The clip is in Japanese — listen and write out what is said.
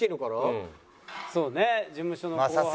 そうね事務所の後輩。